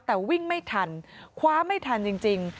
แต่วิ่งไม่ทันคว้าไม่ทันจริง